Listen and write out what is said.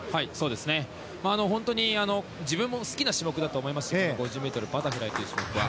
本当に自分も好きな種目だと思いますし５０ｍバタフライという種目は。